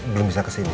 belum bisa kesini